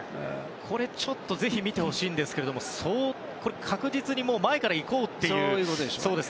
これぜひ見てほしいんですが確実に前から行こうという。